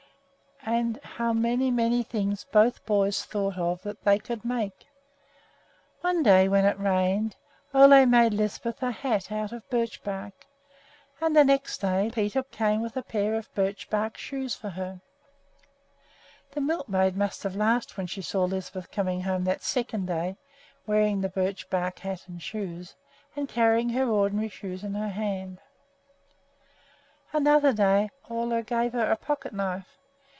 And how many, many things both boys thought of that they could make! One day when it rained Ole made Lisbeth a hat out of birch bark, and the next day Peter came with a pair of birch bark shoes for her. The milkmaid must have laughed when she saw Lisbeth coming home that second day wearing the birch bark hat and shoes, and carrying her ordinary shoes in her hand. Another day Ole gave her a pocketknife.